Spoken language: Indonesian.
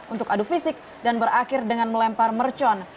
untuk adu fisik dan berakhir dengan melempar mercon